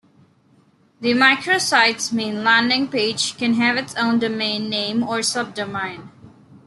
The microsite's main landing page can have its own domain name or subdomain.